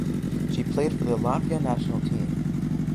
She played for the Latvia national team.